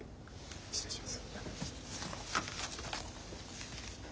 失礼します。